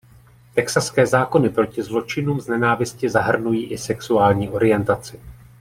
Texaské zákony proti zločinům z nenávisti zahrnují i sexuální orientaci.